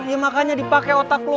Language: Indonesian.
ya makanya dipakai otak lo